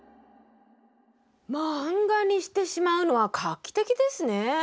漫画にしてしまうのは画期的ですね。